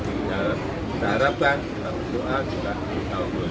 kita harapkan kita berdoa